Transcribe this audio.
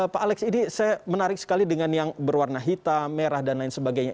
pak alex ini saya menarik sekali dengan yang berwarna hitam merah dan lain sebagainya